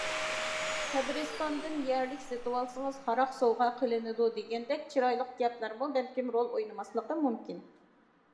قەبرىستاندىن يەرلىك سېتىۋالسىڭىز ھاراق سوۋغا قىلىنىدۇ دېگەندەك چىرايلىق گەپلەرمۇ بەلكىم رول ئوينىماسلىقى مۇمكىن.